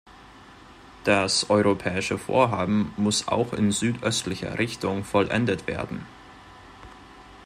Das europäische Vorhaben muss auch in südöstlicher Richtung vollendet werden.